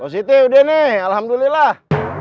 siti udah nih alhamdulillah